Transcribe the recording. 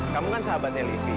kamu kan sahabatnya li